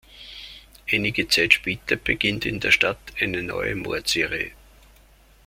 Einige Zeit später beginnt in der Stadt eine neue Mordserie.